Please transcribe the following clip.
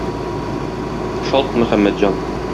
Шалт, Мөхәммәтҗан!